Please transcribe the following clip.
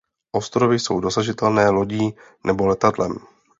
Ostrovy jsou dosažitelné lodí nebo letadlem.